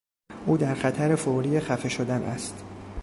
او در خطر فوری خفه شدن است.